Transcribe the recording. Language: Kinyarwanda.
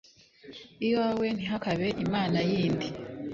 iwawe ntihakabe imana yindi